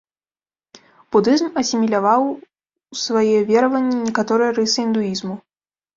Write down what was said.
Будызм асіміляваў ў свае вераванні некаторыя рысы індуізму.